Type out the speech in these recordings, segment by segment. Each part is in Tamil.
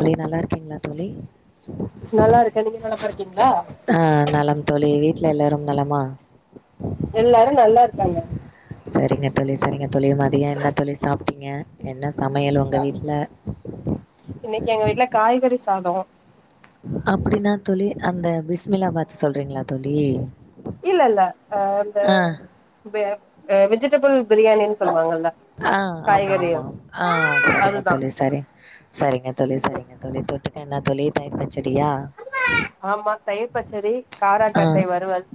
தோழி நல்லா இருக்கீங்ளா தோழி நல்லா இருக்கே நீங்க நலமா இருக்கீங்களா ஆஹ் நலம் தோழி வீட் வீட்ல எல்லாரும் நலமா எல்லாரும் நல்லா இருக்காங்க சரிங்க தோழி சரிங்க தோழி மதியம் என்ன தோழி சாப்ட்டீங்க என்ன சமையல் உங்க வீட்ல இன்னைக்கு எங்க வீட்டுல காய்கறி சாதோ அப்படின்னா தோழி அந்த பிஸ்மிலா பாத்து சொல்றீங்ளா தோழி இல்ல இல்ல ஹ அந்த ஆ இது ஹ விஜிடபிள் பிரியாணின்னு சொல்லுவாங்க ஆஹ் ஆமா ஆமா ஆஹ் சரிங்க அதுதா தோழி சரிங் சரிங்க தோழி சரிங்க தோழி தொட்டுக்க என்ன தோழி தயிர் பச்சி டியா ஆமா தயிர் பச்சடி ஆஹ் காராக்கட்டை வறுவல்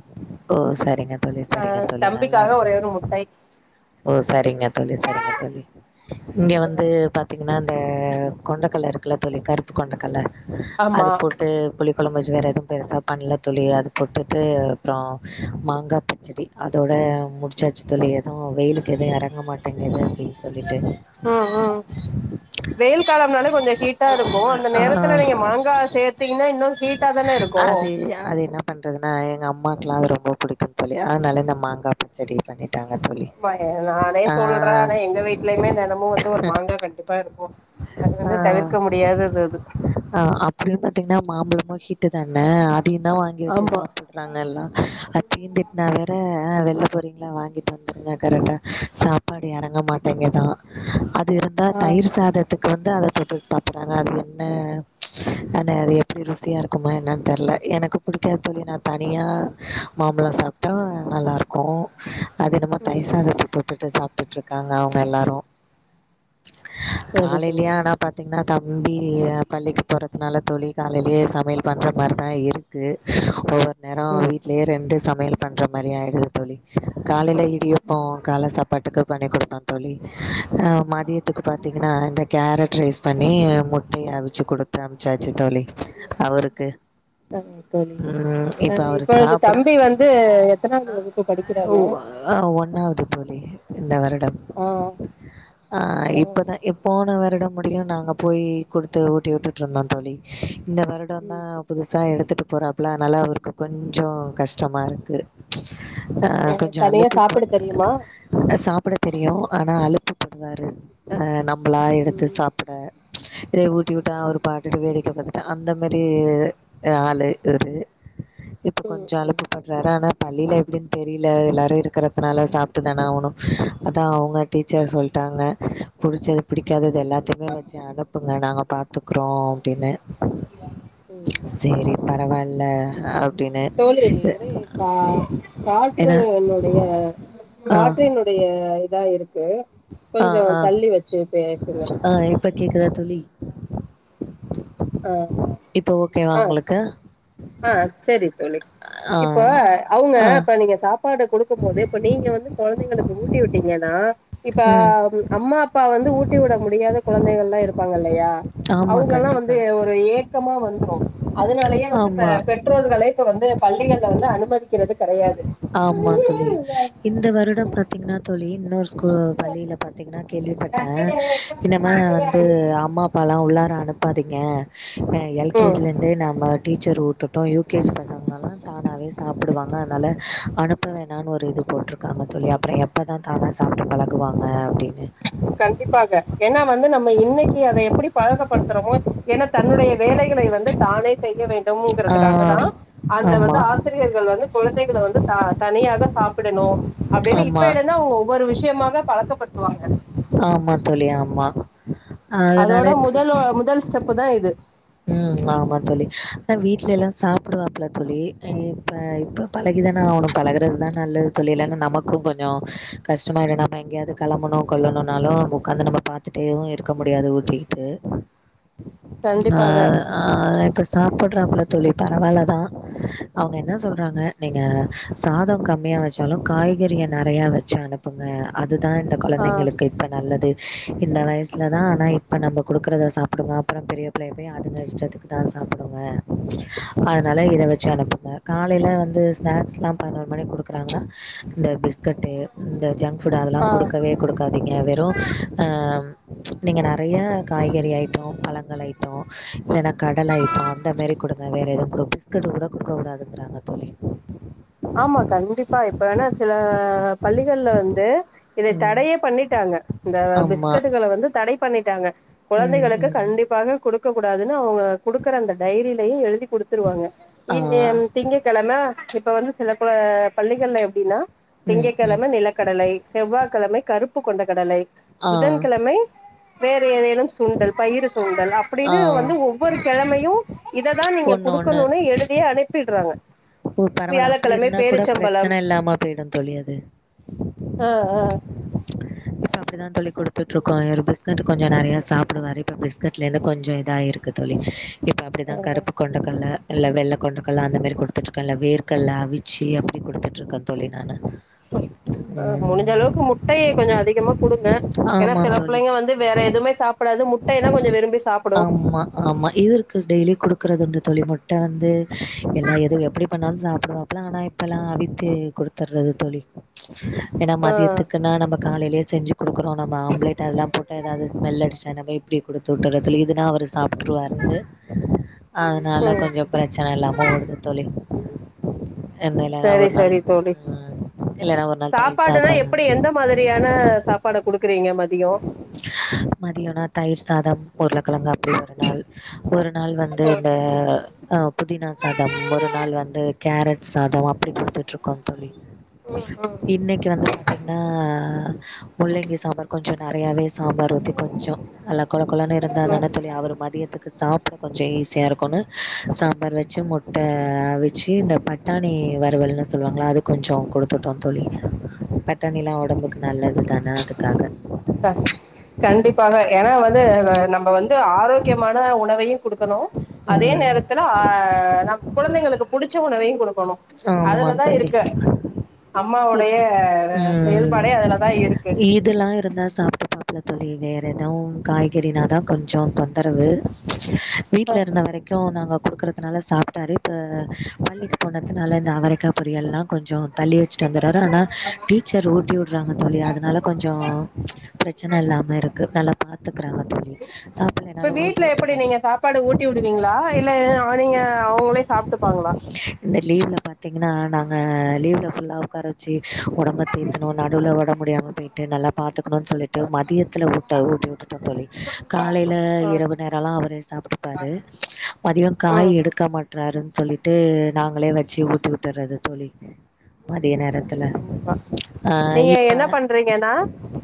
ஓ சரிங்க அ சரிங்க நல்லா தம்பிக்காக இருக்கும் ஒரே ஒரு முட்டை ஓ சரிங்க சரிங்க தோழி இங்க வந்து பாதிங்கனா இந்த கொண்டைக்கடல ல இருக்கல கருப்பு கொண்டக்கல்ல ஆமா அது போட்டு புளி கொளம்பு வச்சு வேற எதுவும் பெருசா பண்ல தோழி அது போட்டுட்டு அப்புறம் மாங்காய் பச்சடி அதோட முடிச்சாச்சு தோழி எதுவும் வெயிலுக்கு எதுவும் எறங்க மாட் உம் உம் வெயில் காலம்னால கொஞ்சம் ஹீட்டா இருக்கும் அந்த ஆ, நேரத்துல நீங்க மாங்காய் சேர்த்தீங்கன்னா இன்னும் ஹீட்டா தானே இருக்கும் அம்மாக்கெல்லாம் அது ரொம்ப பிடிக்கும் தோழி ட்டாங்க தோழி சொல்றேன் ஆனா எங்க வீட்டுலயுமே தினமும் வந்து ஒரு மாங்காய் கண்டிப்பா இருக்கும் அது வந்து ஆ, தவிர்க்க முடியாதது அது என்ன மாம்பழமா தானே அதையும் தான் வாங்கி வச்சு ஆமா சாப்பிடுறாங்கல்லாம் அ தீந்தட்டுனா வேற ஆஹ் வெளியே போறீங்களா வாங்கிட்டு வந்துருங்க கரெக்டா சாப்பாடு இறங்க மாட்டேங்கதான் இருந்தால் ஆ தயிர் சாதத்துக்கு வந்து அத போட்டுட்டு சாப்பிட்றாங்க அது என்ன அன அது எப்படி ருசியாக இருக்குமா எனக்கு தெரியல எனக்கு பிடிக்காத தோழி நான் தனியாக மாம்பழம் சாப்பிட்டேன் நல்லா இருக்கும் அது என்னமொ ம் தயிர் சாதத்து போட்டு சாப்பிட்டு இருக்காங்க அவங்க எல்லாரும் சரி காலலையா தோழி ஆனா பாத்தீங்கன்னா தம்பி பள்ளிக்கு போறதுனால தோழி காலையிலயே சமையல் பண்ணுற மாரி தான் இருக்கு ஒ நேரம் ம் வீட்லயே ரெண்டு சமையல் பண்ற மாரி ஆயிடுது தோழி காலையில இடியப்போம் பட்டுக்கு பண்ணி கொடுத்தான் தோழி ஆஹ் மதியத்துக்கு பார்தீங்கன்னா இந்த கேரட் ரைஸ் பண்ணி முட்டைய அவிச்சி கொடு அமச்சாச்சு தோழி அவருக்கு சரி தோழி உம் அ இப்ப அவரு இப்பொழுது சாப்ட தம்பி வந்து எத்தனாவது வகுப்பு படிக்கிறாங்க ஒண்ணாவது இந்த வருடம் ஆ ஆஹ் ஆ இப்பதான் போன வருடம் முடியும் நாங்க போய் கூடுத்து ஊட்டி விட்டுட்டு இருந்தோம் தோழி இந்த வருடம் ம் தான் புதுசா எடுத் கத்துட்டு போறாப்பல அதனால அவருக்கு கொஞ்சம் கஷ்டமா இருக்கு ஆ கொஞ்சோ தனியா அலுப்பு சாப்பிட தெரியுமா ப சாப்பிட தெரியும் ஆனா அலப்புப்படுவாரு நம் நம்மளா எடுத்து ம் சாப்ட இதே ஊட்டிவுட்டா அவரு பாட்டுட்டு வேடிக்க பாத்துட்டு அந்த மாரி ஆளு இருது இப்ப ம் கொஞ்சம் ம் அழுப்பு படுறாரு ஆனா பள்ளியில எப்படின்னு தெரியல எல்லாரும் இருக்கிறதுனால சாப் தானே ஆகணும் அதான் அவங்க டீச்சர் சொல்ட்டாங்க புடிச்சது புடிக்காதது இது எல்லாத்தமே வச்சி அனுப்புங்கா நாங்க பாத்துக்குறோம் அப்டின்னு. சரி பரவால்ல அப்டின்னு. தோழி ஒரே கா ஏன்னா காற்றுனுடைய ஆ பாற்றினுடைய இதா இருக்கு ஆ ஆ கொஞ்சம் தள்ளி வச்சு பேசுங்க ஆ இப்ப கேக்குதா தோழி? ஆ இப்ப ஓகேவா உங்களுக்கு ஆஹ் சரி ஆ இப்ப அவங்க ஆ இப்ப நீங்க சாப்ப சப்பாடு கூடுக்கும் போது இப்ப நீங்க வந்து கொழந்தைங்களுக்கு ஊட்டி விட்டீங்கன்னா இப்ப ம் அம்மா அப்பா வந்து ஊட்டி விட முடியாத குழந்தங்ல்லாம் இருப்பாங்கல்லையா ஆமா அவங்கல்லாம் வந்து கண்டிப்பா. ஒரு ஏக்கமா வந்துரும் அதனாலயே வந்து ஆமா. பெற்றோர்கள இப்ப வந்து பள்ளிகல வந்து அனுமதிக்கிறது கெடையாது ஆமா தோழி இந்த வருடம் பாத்தீங்கன்னா தோழி இன்னொரு பள்ளியில பாத்தீங்கன்னா கேள்விப்பட்டேன் இனம வந்து அம்மா அப்பாலாம் உள்ளார அனுப்ப திங்க ம் எல்கேஜ்ல இருந்தே நம்ம டீச்சர் வுட்டுட்டோம் யூகேஜி பசங்களல்லாம் தானாவே சாப்டுவாங்க ஹலோ அனுப்ப வேணாம்னு ஒரு இது போட்டுருக்காங்க போல்லிய அப்புறம் எப்போதான் தானாக சாப்பிட்டு பழகுவாங்க கண்டிப்பாக என்ன வந்து நம்ம இன்னைக்கு அதை எப்படி பழகப்படுத்துறோமோ என தன்னுடைய வேலை நி வந்து தானே செய்ய வேண்டும் ஆ ங்கிறதுக்காக தான் அங்க ஆமா, வந்து ஆசிரியர்கள் வந்து குழந்தைக வந்து தனியாக சாப்பிடணும் அப்படின்னு ஆமா, இப்பழ இருந்தா அவங்க ஒவ்வொரு விஷயமாக பழக்கப்படுத்துவாங்க ஆமா போலிய ஆமா அதனால அதோட முதல்லா முதல் ஸ்டெப்பு தான் இது உம் ஆமா தோழி ஆனா வீட்ல எல்லாம் சாப்பிடுவாப்பல தோழி இப் இப்ப பழகிதானா அவனும் பழகுறதுதான் நல்லது தோழி இல்லைன்னா நமக்கும் கொஞ்சம் கஷ்டமகிடும் நம்ம எங்கேயாவது கிளம்பணும் கொல்லணும்னாலும் உடக்காந்து நம்ம பார்த்துகிட்டேவும் இருக்க முடியாது ஊட்டிக்கிட்டு கண்டிப்பாக ஆஹ்்ஆஹ அத இப்ப சாப்படுற துளி பரவாயில்ல தான் அவங்க என்ன சொல்றாங்க நீங்க சாதம் கம்மியா வச்சாலும் காய்கறிய நிறைய வச்சு அனுப்புங்க இதான் இந்த ஆ குழந்தைங்களுக்கு இற்ற நல்லது இந்த வயசுலதான் ஆனா இப்ப நம்ம குடுக்கறத சாப்பிடுங்க அப்புறம் பெரிய போகும் அதுங்க இஸ்டதுக்கு தான் சாப்பிடுங்க அதனால இதை வச்சு அனுப்புங்க காலையில் வந்து ஸ்நாக்ஸ்லாம் பதினொரு மணிக்கு கொடுக்குறாங்கன்னா இந்த பிஸ்கட்டு இந்த ஜங்க் ஃபுட் அதெல்லாம் ஆ கொடுக்கவே கொடுக்காதிங்க வெறும் நீங்க நிறைய காய்கறி ஆயிட்டம் பழங்கள் ஆயி இப்போ இல்லைன்னா கடலா ஐட்டம் அந்த மாதிரி கொடுங்க வேற எதுவும் பிஸ்கட் கூட குடுக்க கூடாதுங்கறாங்க தோழி ஆமா கண்டிப்பா இப்ப வநது சில பள்ளிகள்ல வந்து இதை ம் தடையே பண்ணிட்டாங்க இந்த ஆமாம் பிஸ்கெட்டுகளை வந்து தடை பண்ணிட்டாங்க ம் குழந்தைகளுக்கு ம் கண்டிப்பாக கொடுக்க கூடுக்கா கூடாதுன்னு அவங்க கொடுக்குற அந்த டைரியிலையே எழுதி குடுத்துருவாங்க ஆ இங்க திங்ககிழமை போனிஸ் சில குல பள்ளிகள்ல எப்படின்னா திங்க ம் ம் கிழமை நிலக்கடலை செவ்வாய் கிழமை கருப்பு கொண்ட கடலை ஆ புதன்கிழமை வேர் ஏதேனும் சுண்டல் பயிரு சு சூண்டல் ஆ அப்படின்னு வந்து ஒவ்வொரு கிழமையும் இததான் நீங்க ஒன்று ஒன்று கொடுக்கணும்னு எழுதிய அனுப்பிடுறாங்க ஓ பரவலாம் அப்படி வியாழக்கிழமை இருந்தா கூட பேரிச்சம்பழம் பிரச்சனை இல்லாமா போயிடும் தோழி அது ஆ ஆ இப்ப அப்படிதான் தோழி கொடு சுட்டுருக்கோம் ஒரு பிஸ்கட் கொஞ்ச நிறையா சாப்பிடுவாரு இப்ப பிஸ்கட்லேருந்து கொஞ்ச இதாயிருக்கு தோழி இப்ப ஆ அப்படித்தான் கருப்பு கொண்டக்கடல இல்ல வெள்ள கொண்ட இப்போல்லாம் அந்த மாரி கொடுத்துட்டு இருக்கேன்ல வேர்கல்ல அவிச்சு அப்படி கொடுத்துட்டு இருக்கேன் தோழி நானானு ஆஹ் முடிஞ்ச அளவுக்கு மு ட்டைய கொஞ்ச அதிகமா கொடுங்க ஏனா ஆமா செல தோழி. புள்ளங்க வந்து வேற எதுமே சாப்டாது முட்டயனா கொஞ்ச விரும்பி சாப்புடு ஆமா, ஆமா. இவருக்கு டெய்லி குடுக்கறதுண்டு தோழி முட்ட வந்து எல்லா எதுவு எப்டி பண்ணாலு சாப்புடுவோ இப்லா அனா இப்பல்லா அவித்து கொடுத்தறது தோழி ஏனா ஆ மதியத்து காலலே செஞ்சு கொடுக்குறோ நம்ப ஆம்லேட் அதல்லா போட்டு ஏதாது ஸ்மெல் அடிச்ச நம்ப இப்படி கொடுத்துட்டுறது இதுனா அவரு சாப்ட்ருவாரு அதனால ம் கொஞ்ச பிரச் சனை இல்லாம ஓடுது தோழி எந்த இல்லனா சரி ஒரு நாள் சரி தோழி உம் இல்லனா ஒரு நாள் தயிர் சாதம் ந்த மாதிரியான சாப்பாட குடுக்குறீங்க மதியோ மதியோன தயிர் சாதம் உருளகிழங்கு அப்டி ஒரு நாள் ஒரு நாள் வந்து ம் இந்த ஹ் புதினா சாதம் ஒரு நாள் வந்து கேரட் சாதம் அப்டி குடுத்துட்ருக்கோ தோழி ம் ம் இன்னைக்கு வந்து பாத்தீங்கனா ஆஹ் முள்ளங்கி சாம்பார் கொஞ்ச நறயாவே சாம்பார் ஊத்தி கொஞ்ச நல்லா கொல கொலன் இருந்தா ம் தான அவரு மதியத்துக்கு சாப்பட கொஞ்ச ஈஸியா இருக்கனு சாம்பார் வச்சு முட்ட அவிச்சு இந்த பட்டாணி வருவல்னு சொல்லுவாங்ள அது கொஞ்ச குடுத்துட்டோ தொழி பட்டாணிலா ஒடம்புக்கு நல்லது தான அதுக்காக [inaudible] கண்டிப்பாக ஏனா வந்து ந நம்ப வந்து ஆரோக்கியமான உ ணவையு கொடுக்கணு அதே ம் நேரத்தல அ நம் கொழந்தைகளுக்கு பிடிச்ச உணவை ஆம தொலி அம்மாவுடைய உம் செயல்பாடே அதுலதா இருக்கு இதல்லா இருந்தா சாப் [inaudible] தொழி வேறு எதும் காய்கறினாதா கொஞ்ச தொந்தரவு வீட்ல இருந்த வரைக்கு நாங்க கொடுக்குறதுனால சாப்டாரு இப்ப வள்ளிட் போன துநல்லந்தா அவரக்கா பொரியல்லா கொஞ்ச தள்ளி வச்சுட்டு வந்துராரு னா டீச்சர் ஊட்டி வுட்றாங்க தோழி அதனால கொஞ்ச பிரச்சன இல்லாம இருக்கு நல்லா பாத்துக்கறாங்க தோழி இப்ப சாப்பலேனாலு ஊட்டி வீட்ல எப்டி வுட்டுறாங்க நீங்க சாப்பாடு ஊட்டி விடுவீங்களா இல்ல நீங்க அவங்களே சாப்ட்டுப்பாங்களா லீவ்ல பாத்தீங்கனா நாங்க லீவ் ஃபுல்லா ஒக்காரவச்சு ஒடம்ப தேத்தனு நடுவுல ஒடமுடியாம போய்ட்டு நல்லா பாத்துக்கணு சொல்லிட்டு மதியத்தல ஊட்ட ஊட்டி வுட்டுடோ தொழி காலையில ஆ இரவு நேரலா அவரே சாப்டுப்பாரு மதிய காய் ம் எடுக்க மாட்டறாருன் சொல்லிட்டு நாங்களே வச்சு ஊட்டிவுட்றது தொழி மதிய நேர கண்டிப்பா நீங்க என்ன பண்றீங்கன்னா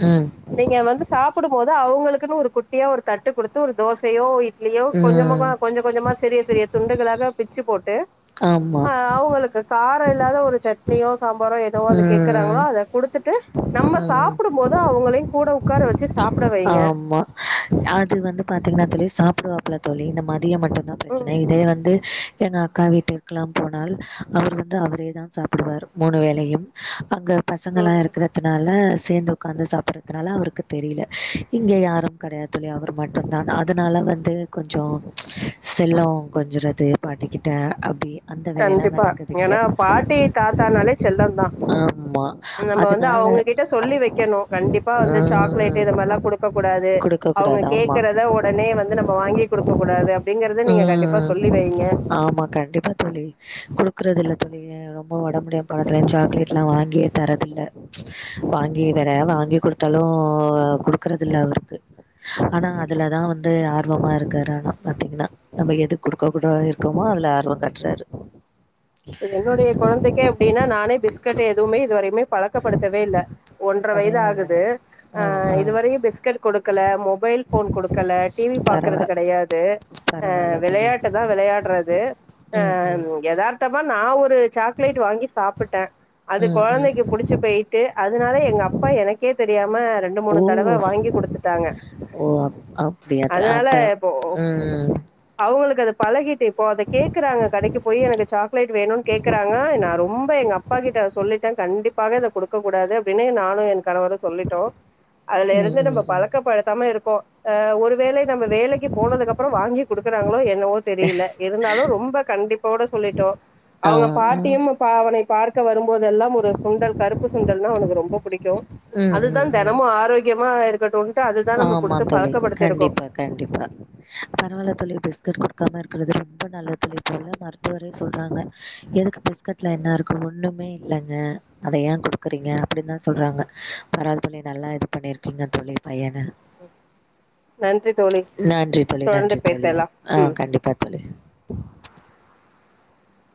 ம் நீங்க வந்து சாப்புடும்போது அவுங்களு குனு ஒரு குட்டியா ஒரு தட்டு குடுத்து ஒரு தோசையோ இ ட்லியோ கொஞ்சமொக ம் கொஞ்ச கொஞ்சமா செரிய செரிய துண்டுகளாக பிச்சு போட்டு ட்டு ஆமாம் ஆஹ் அவங்களுக்கு கா ர இல்லாத ஒரு சட்னியோ சாம்பாரோ ஒ அதை ம் கேடக்குறாங்களோ அதை கொடுத்து து நம்ம ம் சாப்பிடும் போது அவங்களுக்கு கூட உட்கார வச்சு சாப்ட வைங்க ஆமா அது வந்து பாத்தீங்கன்னா தெ சாப்புடுவாப்புல தோழி இந்த மாரி மதிய மட்டும்தான் பிரச்சனை ம் இதே வந்து என்ன அக்கா வீட்டுக்கலாம் போனால் அவர் வந்து அவரே தான் சாப்பிடுவாரு மூணு வேளையும் அங்க பசங்களாம் ம் இருக்கிறதுனால சேர்ந்து உட்காந்து சாப்பிட்றதுனால அவருக்கு தெரியல இங்கே யாரும் கிடையாதுள்ளய அவர் மட்டும் தான் அதனால வந்து கொஞ்சம் செல்லம் கொஞ்சறது பாட்டிக்கிட்டே அப்படி கண்டிப்பா ஏன்னா பாட்டி தாத்தானாலே செல்லம் தான் ஆமா. நம்ம வந்து அதனால அவங்க கிட்ட சொல்லி வைக்கணும் கண்டிப்பா வந்து சாக்லேட் ம் ந்த மாதிரல்லாம் குடுக்க கூடாது அவங்க குடுக்கக்கூடாது. ஆமா. கேக்குறத உடனே வந்து நம்ம வாங்கி குடுக்க கூடாது அப்படிங்கறத நீங்க கண்டிப்பா ம் சொல்லி வைங்க ஆமா கண்டிப்பா தோழி குடுக்குறது இல்ல தொழி ரொம்ப உடம்புடியம படத்துல சாக்லேட் எல்லாம் வாங்கியே தரதில்ல வாங்கி வெர வாங்கி கொடுத்தாலும் குடுக்குறது இல்ல அவருக்கு ஆனா அதுலதான் வந்து ஆர்வமா இருக்காரு ஆனா பாத்தீங்கன்னா நம்ம எது கொடுக்க குட இருக்கோமோ அதுல ஆர்வம் கட்டுறாரு என்னுடைய குழந்தைக்கே அப்படின்னா நானே பிஸ்கட் எதுவுமே இதுவரையமே பழக்கப்படுத்தவே இல்ல ஒன்ற வயது பரவால்ல ஆகுது ஆ ஆ இதுவரையும் பிஸ்கட் கொடுக்கல மொபைல் போன் கொடுக்கல டிவி பாக்கறது பரவா கெடையாது பரவால்ல தோழி விளையாட்டு தான் விளையாடுறது ம் ஆஹ் ம் எதா [unintelligible] சாக்லேட் வாங்கி சாப்புட்டேன் அது ம் ம் கொழந்தைக்கு புடிச்சு போயிட்டு அதனால எங்க அப்பா எனக்கே தெரியாம ரெண்டு மூணு ஓ தடவ வாங்கி குடுத்துட்டாங்க ஓ அப் அப்டியா அதனால அப்ப இப்போ ம் அவங்களுக்கு அது பழகிட்டு இப்போ அத கேக்குறாங்க கடைக்கு போய் எனக்கு சா க்லேட் வேணும்னு கேக்குறாங்க நான் ரொம்ப எங்க அப்பா கிட்ட சொல்லிட்டு கண்டிப்பாக இத கொடுக்கக்க கூடாது அப்படின்னு நானும் என்ட கணவரு சொல்லிட்டோம் அதுல ம் இருந்து நம்ம ம் ம் பழக்க படுத்தாம இருக்கோம் ஆஹ் ஒரு வேலை நம்ம வேலைக்கு போனதுக்கு அப்புறம் வாங்கி கொடுக்குறாங்களோ என்னவோ தெரியல இருந்தாலும் ரொம்ப கண்டிப்போட சொல்லிட்டோம் ஆ அவுங்க ஆ பாட்டியும் பாவ உனை பார்க்க வரும்போதெல்லாம் ஒரு சுண்டல் கருப்பு சுண்டல்னா அவனுக்கு ரொம்ப புடிக்கும் ம் ம் அதுதான் ம் தெனமும் ஆரோக்கியமா இருக்கட்டும் ஆமா தொழி கண்டிப்பா கண்டிப்பா பரவாயில்ல தொழி பிஸ்கட் கொடுக்காம இருக்கிறது ரொம்ப நல்ல தொழி இப்ப உள்ள மருத்துவரே சொல்றாங்க எதுக்கு பிஸ்கட்ல என்ன இருக்கு ஒண்ணுமே இல்லங்க அத ஏன் கொடுக்குறீங்க அப்படின்னு சொல்கிறாங்க பரவயில் தோழி நல்லா இது பண்ணியிருக்கீங்க தொழி பையன நன்றி தோழி நன்றி தோழி தொடர்ந்து நன்றி தோழி பேசலா ம் ஆஹ் கண்டிப்பா தோழி [inaudible]